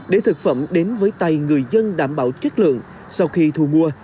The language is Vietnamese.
để thực phẩm đến với tay người dân đảm bảo chất lượng sau khi thu mua